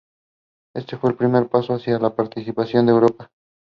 The order was the highest award of the empire.